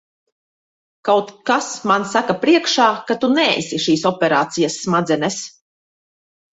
Kaut kas man saka priekšā, ka tu neesi šīs operācijas smadzenes.